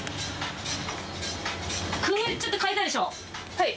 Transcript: はい？